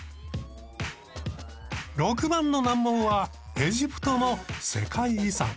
６番の難問はエジプトの世界遺産。